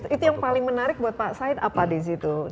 itu yang paling menarik buat pak said apa di situ